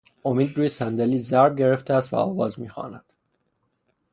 امید روی صندلی ضرب گرفته است و آواز می خواند